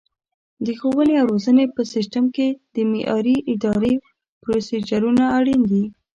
د ښوونې او روزنې په سیستم کې د معیاري ادرایې پروسیجرونه اړین دي.